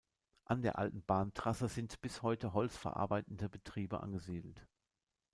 An der alten Bahntrasse sind bis heute holzverarbeitende Betriebe angesiedelt.